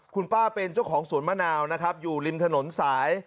คุณป้าเป็นเจ้าของสวนมะนาวนะครับอยู่ริมถนนสาย